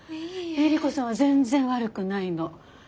エリコさんは全然悪くないの。